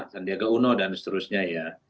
sandiaga uno dan seterusnya ya